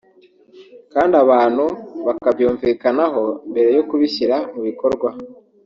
kandi abantu bakabyumvikanaho mbere yo kubishyira mu bikorwa